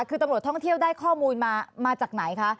คือตำรวจท่องเที่ยวได้ข้อมูลมาจากไหนคะ